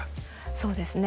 そうですね。